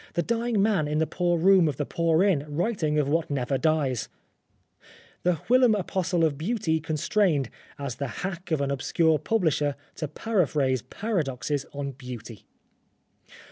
The dying man in the poor room of the poor inn writing of what never dies ! The whilom apostle of Beauty constrained, as the hack of an obscure publisher, to paraphrase paradoxes on Beauty